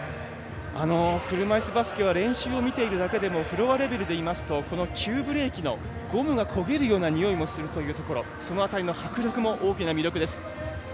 車いすバスケットは練習を見ているだけでもフロアレベルでいいますと急ブレーキのゴムが焦げるようなにおいがするというところも大きな魅力です。